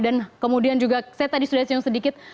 dan kemudian juga saya tadi sudah sejauh sedikit